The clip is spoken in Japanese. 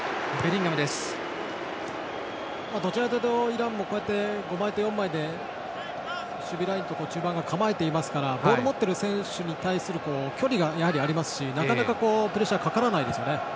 イランも５枚と４枚で守備ラインと中盤が構えているのでボールを持っている選手に対する距離がありますしなかなかプレッシャーかからない。